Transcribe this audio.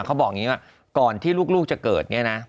เขาบอกอย่างนี้ว่าก่อนที่ลูกจะเกิดเนี่ยนะ